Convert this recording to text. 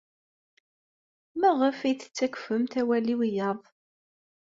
Maɣef ay tettakfemt awal i wiyaḍ?